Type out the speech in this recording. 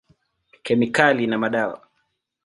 Kemikali na madawa.